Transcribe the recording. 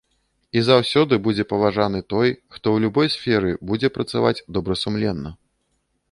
І заўсёды будзе паважаны той, хто ў любой сферы будзе працаваць добрасумленна.